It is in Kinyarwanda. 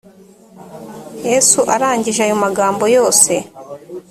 yesu arangije ayo magambo yose .